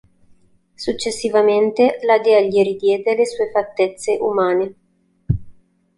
Successivamente, la dea gli ridiede le sue fattezze umane.